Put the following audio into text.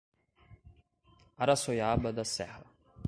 Araçoiaba da Serra